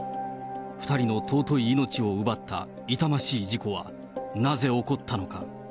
２人の尊い命を奪った痛ましい事故は、なぜ起こったのか。